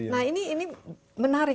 nah ini menarik